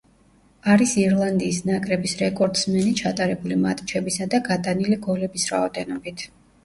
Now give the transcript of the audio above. არის ირლანდიის ნაკრების რეკორდსმენი ჩატარებული მატჩებისა და გატანილი გოლების რაოდენობით.